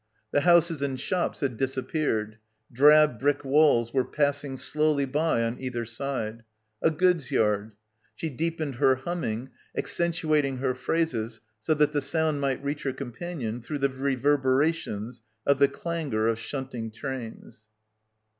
The houses and shops had dis appeared. Drab brick walls were passing slowly by on either side. A goods' yard. She deepened her humming, accentuating her phrases so that the sound might reach her companion through — 21 — PILGRIMAGE the reverberations of the clangour of shunting trains.